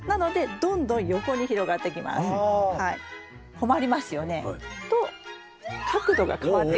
困りますよね。と角度が変わってきます。